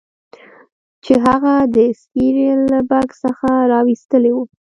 چې هغه د سیریل له بکس څخه راویستلی و